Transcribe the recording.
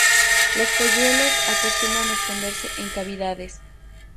Los polluelos acostumbran esconderse en cavidades.